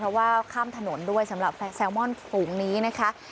เพราะว่าข้ามถนนด้วยสำหรับแซลมอนฝูงนี้นะคะ